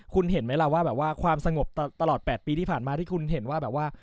คุณเห็นไหมล่ะว่าแบบว่าความสงบตลอด๘ปีที่ผ่านมาที่คุณเห็นว่าแบบว่า